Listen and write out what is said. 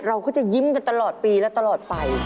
เราก็จะยิ้มกันตลอดปีและตลอดไป